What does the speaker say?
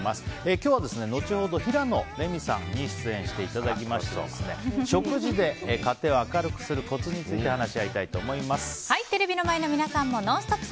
今日は後ほど平野レミさんに出演していただきまして食事で家庭を明るくするコツについてテレビの前の皆さんもＮＯＮＳＴＯＰ！